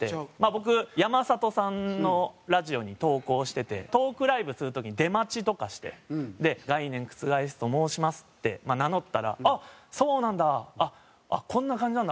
僕山里さんのラジオに投稿しててトークライブする時に出待ちとかして「概念覆すと申します」って名乗ったら「あっそうなんだ！こんな感じなんだ？」